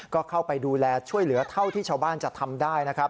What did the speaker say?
ก็เข้าไปดูแลช่วยเหลือเท่าที่ชาวบ้านจะทำได้นะครับ